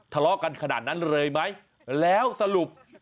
ทะเลาะกันขนาดนั้นเลยไหมแล้วสรุป